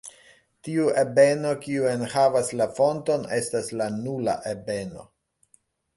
Tiu ebeno kiu enhavas la fonton estas la "nula" ebeno.